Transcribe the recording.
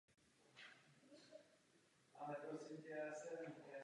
Nejmladší vzniklo krátce po poslední ledové době.